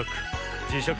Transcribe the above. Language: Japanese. じしゃく